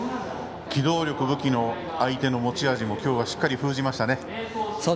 機動力武器の相手の持ち味もきょうはしっかり封じましたね。